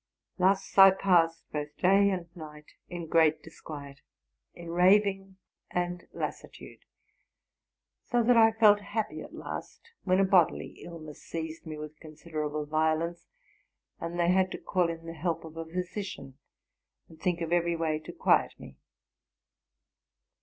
Thus I passed both day and night in great disquiet, in raving and lassitude; so that I felt happy at last when a bodily illness seized me with considerable violence, when they had to call in the help of a physician, and think of every way to quiet me.